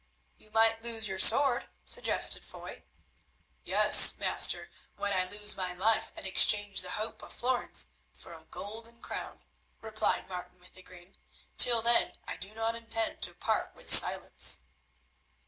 "You might lose your sword," suggested Foy. "Yes, master, when I lose my life and exchange the hope of florins for a golden crown," replied Martin with a grin. "Till then I do not intend to part with Silence."